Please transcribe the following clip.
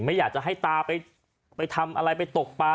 ไม่อยากจะให้ตาไปทำอะไรไปตกปลา